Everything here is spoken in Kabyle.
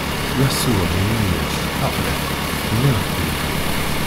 Yasuɛ inna-as: Aql-ak, tenniḍ-t-id!